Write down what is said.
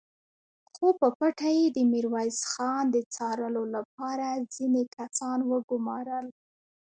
خو په پټه يې د ميرويس خان د څارلو له پاره ځينې کسان وګومارل!